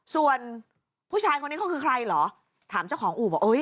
ส่วนผู้ชายคนนี้เขาคือใครเหรอถามเจ้าของอู่บอกเอ้ย